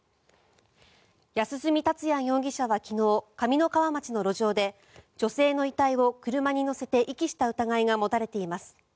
安栖達也容疑者は昨日、上三川町の路上で女性の遺体を車に乗せて遺棄した疑いが持たれています。